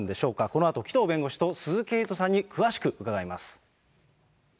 このあと紀藤弁護士と鈴木エイトさんに詳しく伺います。